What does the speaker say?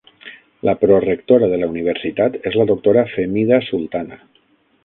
La prorrectora de la universitat és la doctora Fehmida Sultana.